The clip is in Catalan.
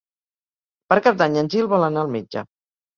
Per Cap d'Any en Gil vol anar al metge.